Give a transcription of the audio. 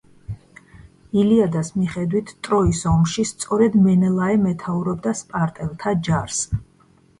ილიადის მიხედვით ტროის ომში სწორედ მენელაე მეთაურობდა სპარტელთა ჯარს.